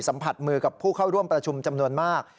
สัมผัสมือกับผู้เข้าร่วมประชุมจำนวนมาก